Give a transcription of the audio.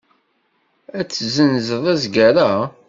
Ad tezzenzeḍ azger-a?